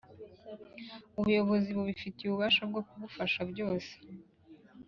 ubuyobozi bubifitiye ububasha bwo kugufasha byose